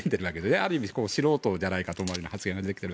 ある意味、素人じゃないかと思うような発言で。